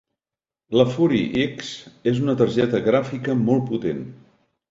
La Fury X és una targeta gràfica molt potent.